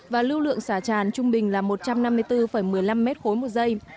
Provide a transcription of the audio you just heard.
và lưu lượng xả tràn trung bình là một trăm năm mươi bốn một mươi năm m ba một giây